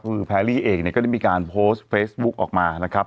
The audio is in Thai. คือแพรรี่เองเนี่ยก็ได้มีการโพสต์เฟซบุ๊กออกมานะครับ